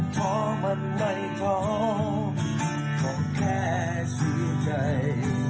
ท้อมันไม่ท้อก็แค่สู่ใจ